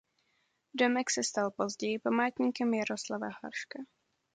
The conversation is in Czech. Domek se stal později památníkem Jaroslava Haška.